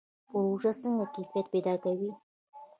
پروژې څنګه کیفیت پیدا کوي؟